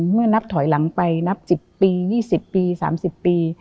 เมื่อนับถอยหลังไปนับ๑๐ปี๒๐ปี๓๐ปี